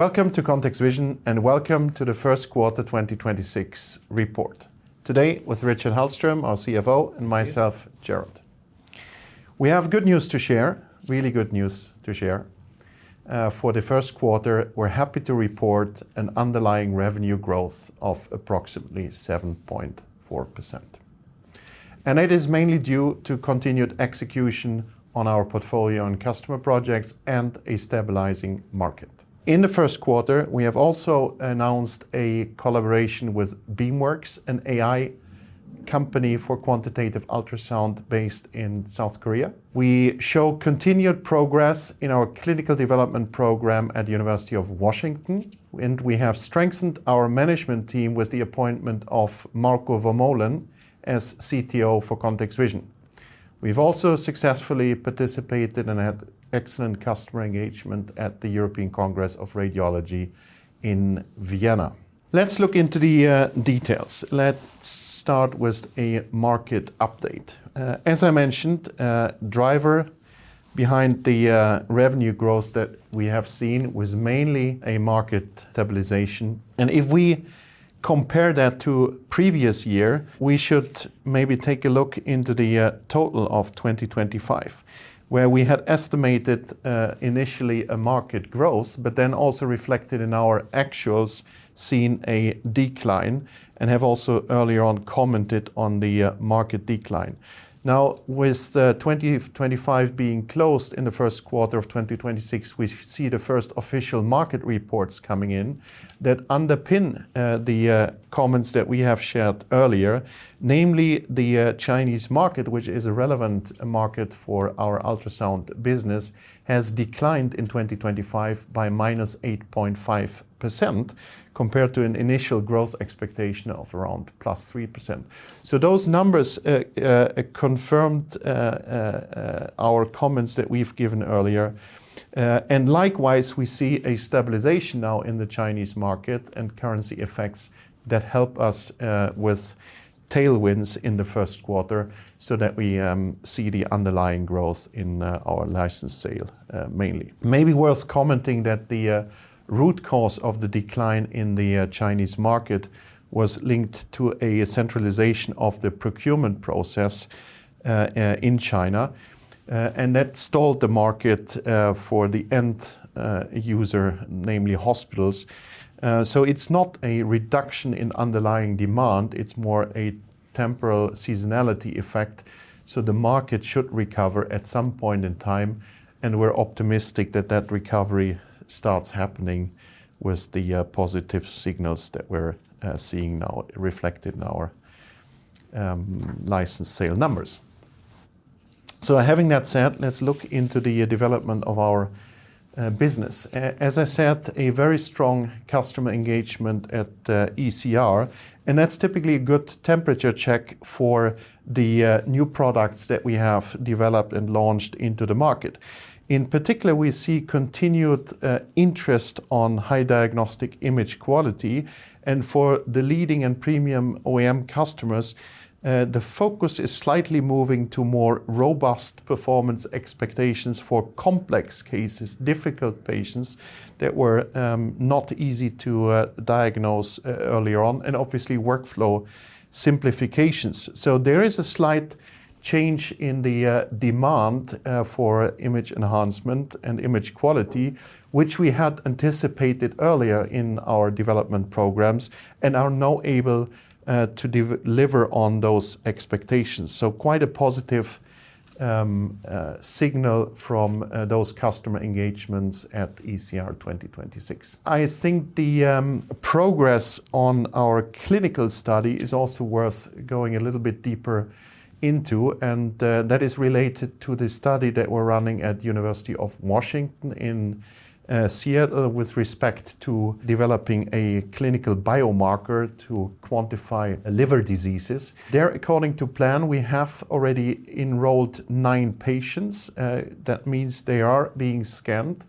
Welcome to ContextVision, welcome to the first quarter 2026 report. Today, with Richard Hallström, our CFO, and myself, Gerald. We have good news to share, really good news to share. For the first quarter, we're happy to report an underlying revenue growth of approximately 7.4%, and it is mainly due to continued execution on our portfolio and customer projects and a stabilizing market. In the first quarter, we have also announced a collaboration with BeamWorks, an AI company for quantitative ultrasound based in South Korea. We show continued progress in our clinical development program at the University of Washington, and we have strengthened our management team with the appointment of Marco Marien Voormolen as CTO for ContextVision. We've also successfully participated and had excellent customer engagement at the European Congress of Radiology in Vienna. Let's look into the details. Let's start with a market update. As I mentioned, a driver behind the revenue growth that we have seen was mainly a market stabilization. If we compare that to previous year, we should maybe take a look into the total of 2025, where we had estimated initially a market growth, but then also reflected in our actuals, seen a decline, and have also earlier on commented on the market decline. Now, with 2025 being closed in the first quarter of 2026, we see the first official market reports coming in that underpin the comments that we have shared earlier. Namely, the Chinese market, which is a relevant market for our ultrasound business, has declined in 2025 by -8.5% compared to an initial growth expectation of around +3%. Those numbers confirmed our comments that we've given earlier. And likewise, we see a stabilization now in the Chinese market and currency effects that help us with tailwinds in the first quarter so that we see the underlying growth in our license sale mainly. Maybe worth commenting that the root cause of the decline in the Chinese market was linked to a centralization of the procurement process in China, and that stalled the market for the end user, namely hospitals. It's not a reduction in underlying demand. It's more a temporal seasonality effect, the market should recover at some point in time, and we're optimistic that that recovery starts happening with the positive signals that we're seeing now reflected in our license sale numbers. Having that said, let's look into the development of our business. As I said, a very strong customer engagement at ECR, and that's typically a good temperature check for the new products that we have developed and launched into the market. In particular, we see continued interest on high diagnostic image quality. For the leading and premium OEM customers, the focus is slightly moving to more robust performance expectations for complex cases, difficult patients that were not easy to diagnose earlier on, and obviously workflow simplifications. There is a slight change in the demand for image enhancement and image quality, which we had anticipated earlier in our development programs and are now able to deliver on those expectations. Quite a positive signal from those customer engagements at ECR 2026. I think the progress on our clinical study is also worth going a little bit deeper into, that is related to the study that we're running at University of Washington in Seattle with respect to developing a clinical biomarker to quantify liver diseases. They're according to plan. We have already enrolled nine patients. That means they are being scanned,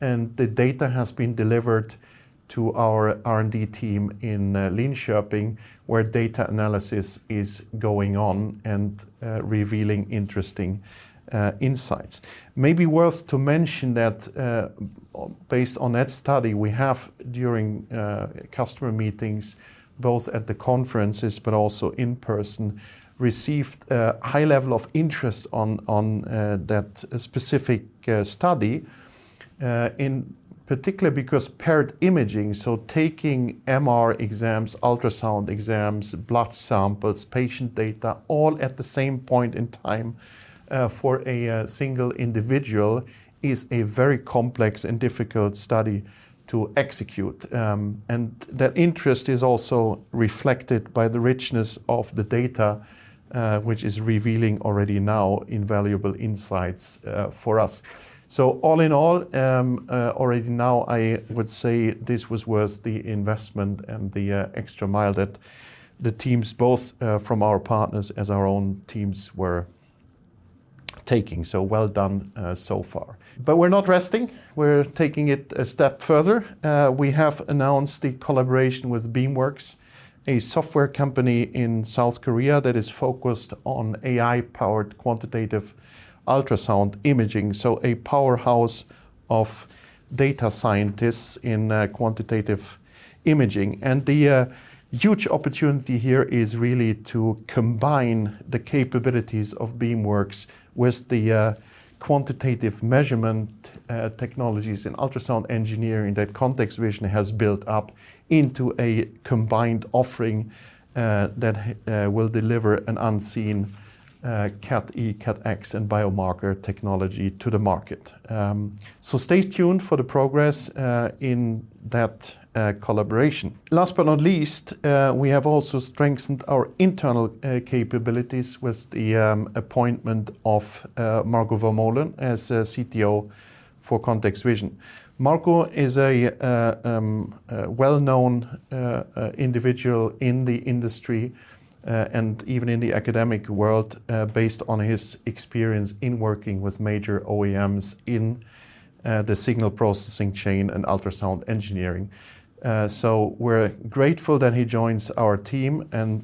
and the data has been delivered to our R&D team in Linköping, where data analysis is going on and revealing interesting insights. Maybe worth to mention that, based on that study, we have, during customer meetings, both at the conferences but also in person, received a high level of interest on that specific study, in particular because paired imaging, so taking MR exams, ultrasound exams, blood samples, patient data, all at the same point in time, for a single individual, is a very complex and difficult study to execute. That interest is also reflected by the richness of the data, which is revealing already now invaluable insights for us. All in all, already now I would say this was worth the investment and the extra mile that the teams, both from our partners as our own teams were taking. Well done, so far. We're not resting, we're taking it a step further. We have announced the collaboration with BeamWorks, a software company in South Korea that is focused on AI-powered quantitative ultrasound imaging, so a powerhouse of data scientists in quantitative imaging. The huge opportunity here is really to combine the capabilities of BeamWorks with the quantitative measurement technologies and ultrasound engineering that ContextVision has built up into a combined offering that will deliver an unseen CADe, CADx, and biomarker technology to the market. Stay tuned for the progress in that collaboration. Last but not least, we have also strengthened our internal capabilities with the appointment of Marco Voormolen as CTO for ContextVision. Marco is a well-known individual in the industry and even in the academic world, based on his experience in working with major OEMs in the signal processing chain and ultrasound engineering. We're grateful that he joins our team and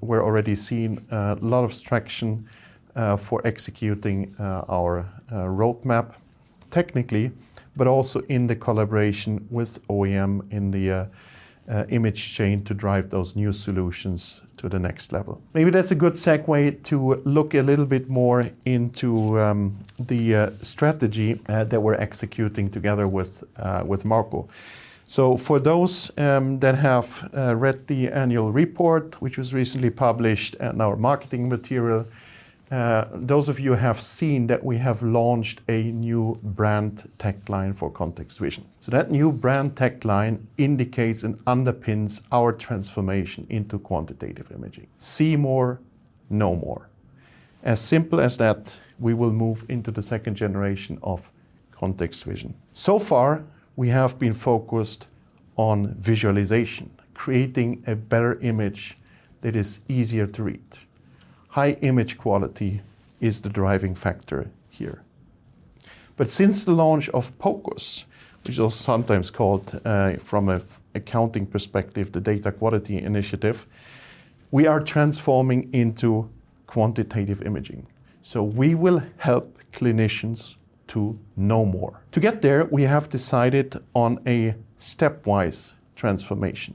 we're already seeing a lot of traction for executing our roadmap technically, but also in the collaboration with OEM in the image chain to drive those new solutions to the next level. Maybe that's a good segue to look a little bit more into the strategy that we're executing together with Marco. For those that have read the annual report, which was recently published in our marketing material, those of you have seen that we have launched a new brand tagline for ContextVision. That new brand tagline indicates and underpins our transformation into quantitative imaging. See more, know more. As simple as that, we will move into the second generation of ContextVision. Far, we have been focused on visualization, creating a better image that is easier to read. High image quality is the driving factor here. Since the launch of POCUS, which is sometimes called, from an accounting perspective, the data quality initiative, we are transforming into quantitative imaging. We will help clinicians to know more. To get there, we have decided on a stepwise transformation.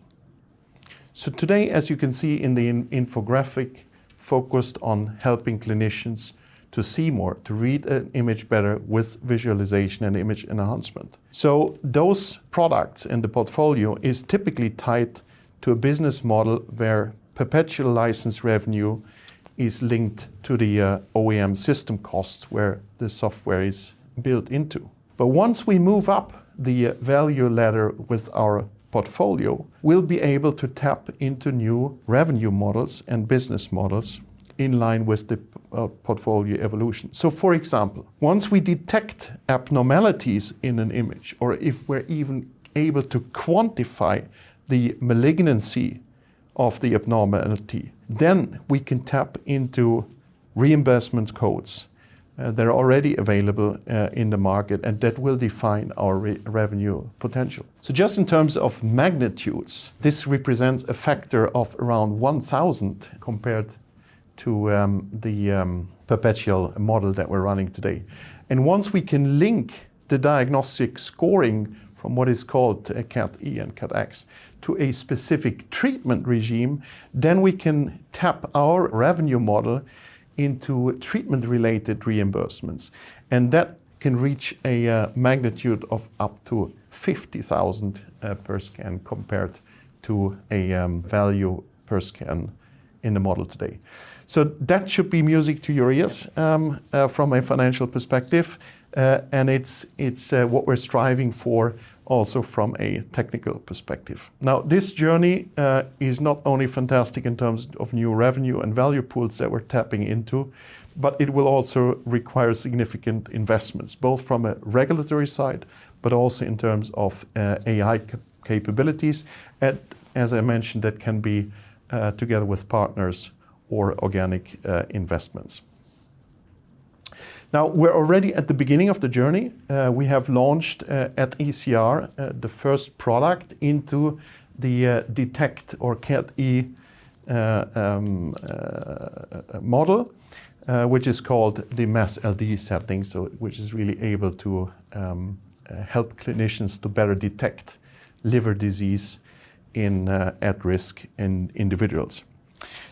Today, as you can see in the infographic, focused on helping clinicians to see more, to read an image better with visualization and image enhancement. Those products in the portfolio is typically tied to a business model where perpetual license revenue is linked to the OEM system costs where the software is built into. Once we move up the value ladder with our portfolio, we'll be able to tap into new revenue models and business models in line with the portfolio evolution. For example, once we detect abnormalities in an image, or if we're even able to quantify the malignancy of the abnormality, then we can tap into reimbursement codes that are already available in the market, and that will define our revenue potential. Just in terms of magnitudes, this represents a factor of around 1,000 compared to the perpetual model that we're running today. Once we can link the diagnostic scoring from what is called a CADe and CADx to a specific treatment regime, then we can tap our revenue model into treatment-related reimbursements, and that can reach a magnitude of up to 50,000 per scan compared to a value per scan in the model today. That should be music to your ears from a financial perspective. It's what we're striving for also from a technical perspective. This journey is not only fantastic in terms of new revenue and value pools that we're tapping into, but it will also require significant investments, both from a regulatory side, but also in terms of AI capabilities. As I mentioned, that can be together with partners or organic investments. We're already at the beginning of the journey. We have launched at ECR the first product into the detect or CATi model, which is called the MASLD setting, which is really able to help clinicians to better detect liver disease in at-risk individuals.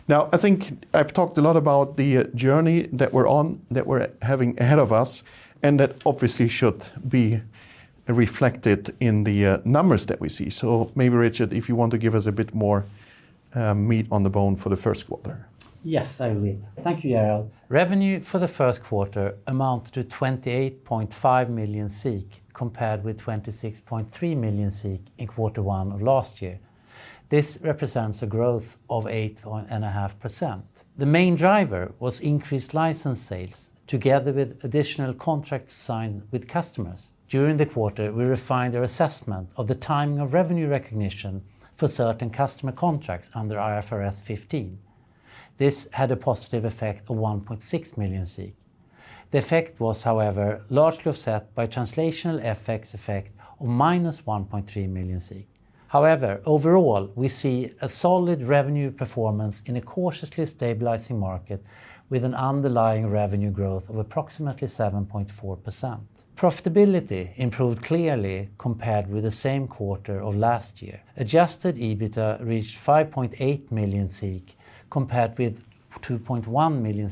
I think I've talked a lot about the journey that we're on, that we're having ahead of us, and that obviously should be reflected in the numbers that we see. Maybe, Richard, if you want to give us a bit more meat on the bone for the first quarter. Yes, I will. Thank you, Gerald. Revenue for the first quarter amount to 28.5 million compared with 26.3 million in quarter one of last year. This represents a growth of 8.5%. The main driver was increased license sales together with additional contracts signed with customers. During the quarter, we refined our assessment of the timing of revenue recognition for certain customer contracts under IFRS 15. This had a positive effect of 1.6 million. The effect was, however, largely offset by translational FX effect of -1.3 million. Overall, we see a solid revenue performance in a cautiously stabilizing market with an underlying revenue growth of approximately 7.4%. Profitability improved clearly compared with the same quarter of last year. Adjusted EBITA reached 5.8 million, compared with 2.1 million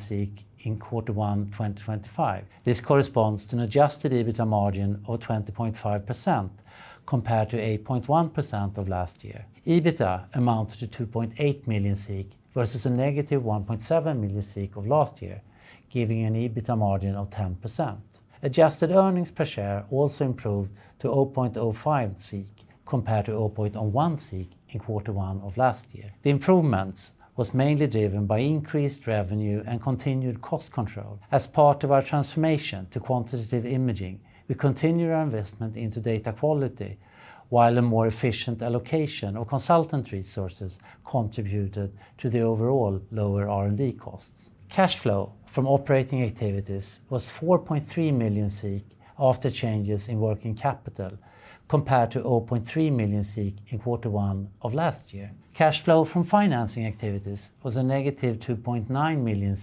in quarter one, 2025. This corresponds to an adjusted EBITA margin of 20.5% compared to 8.1% of last year. EBITA amounted to 2.8 million versus a negative -1.7 million of last year, giving an EBITA margin of 10%. Adjusted earnings per share also improved to 0.05 compared to 0.1 in quarter one of last year. The improvements was mainly driven by increased revenue and continued cost control. As part of our transformation to quantitative imaging, we continue our investment into data quality, while a more efficient allocation of consultant resources contributed to the overall lower R&D costs. Cash flow from operating activities was 4.3 million after changes in working capital compared to 0.3 million in quarter one of last year. Cash flow from financing activities was a -2.9 million,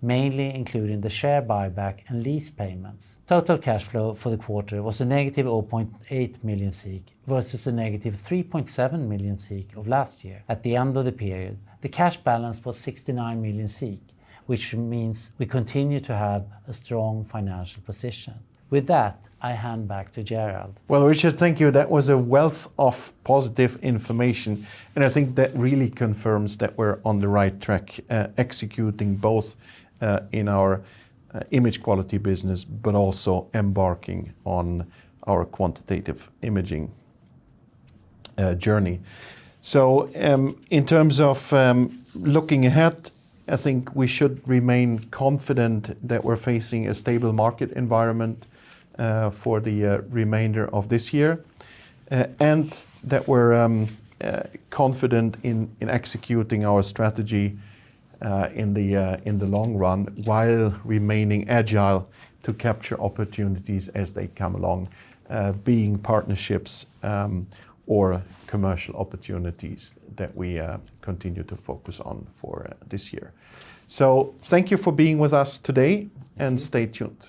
mainly including the share buyback and lease payments. Total cash flow for the quarter was a -0.8 million versus a -3.7 million of last year. At the end of the period, the cash balance was 69 million, which means we continue to have a strong financial position. With that, I hand back to Gerald. Well, Richard, thank you. That was a wealth of positive information, and I think that really confirms that we're on the right track, executing both in our image quality business, but also embarking on our quantitative imaging journey. In terms of looking ahead, I think we should remain confident that we're facing a stable market environment for the remainder of this year. That we're confident in executing our strategy in the long run, while remaining agile to capture opportunities as they come along, being partnerships or commercial opportunities that we continue to focus on for this year. Thank you for being with us today, and stay tuned.